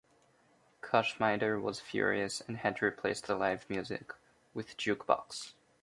Koschmider was furious, and had to replace the live music with a juke box.